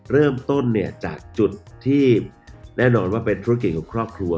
เริ่มต้นเนี่ยจากจุดที่แน่นอนว่าเป็นธุรกิจของครอบครัว